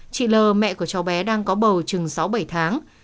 chị l mẹ của cháu bé đang có bầu chừng sáu bảy tháng